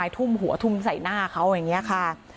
ทุ่มหัวทุ่มใส่หน้าเขาอย่างนี้ค่ะ